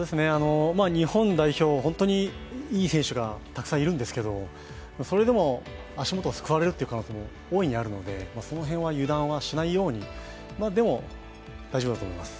日本代表、本当にいい選手がたくさんいるんですけども、それでも足元をすくわれる可能性も大いにあるので、その辺は油断はしないように、でも、大丈夫だと思います。